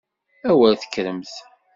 A wer tekkremt!